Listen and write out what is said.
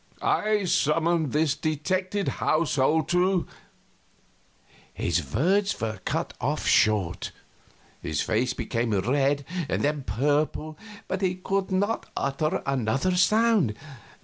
"I summon this detected household to " His words were cut off short. His face became red, then purple, but he could not utter another sound.